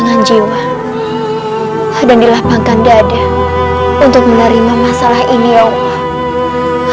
dengan jiwa dan dilapangkan dada untuk menerima masalah ini ya allah